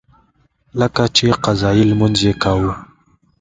لکه چې قضایي لمونځ یې کاوه.